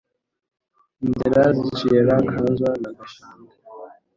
Inzira zicira Kazo na Gashanda.